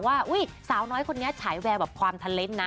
ว่าเส้อยคนเนี่ยฉายแวบของความทัลเลนส์นะ